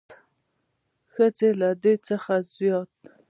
ښځې له دې څخه زیات